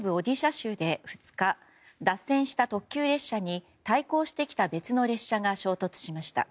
州で２日脱線した特急列車に対向してきた別の列車が衝突しました。